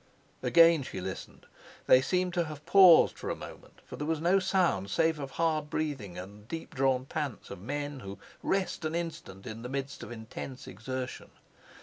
Again she listened. They seemed to have paused for a moment, for there was no sound, save of the hard breathing and deep drawn pants of men who rest an instant in the midst of intense exertion.